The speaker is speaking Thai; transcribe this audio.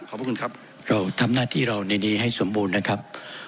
ขอบคุณครับเราทำหน้าที่เราในนี้ให้สมบูรณ์นะครับ